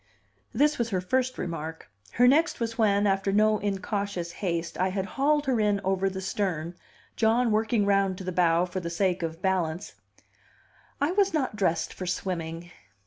This was her first remark. Her next was when, after no incautious haste, I had hauled her in over the stern, John working round to the bow for the sake of balance: "I was not dressed for swimming."